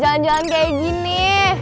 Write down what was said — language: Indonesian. jalan jalan kayak gini